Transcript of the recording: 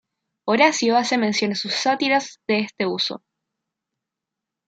Horacio hace mención en sus "Sátiras" de este uso.